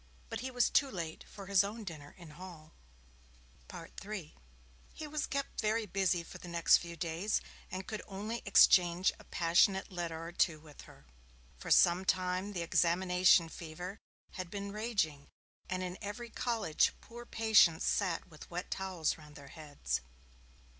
But he was too late for his own dinner in Hall. III He was kept very busy for the next few days, and could only exchange a passionate letter or two with her. For some time the examination fever had been raging, and in every college poor patients sat with wet towels round their heads.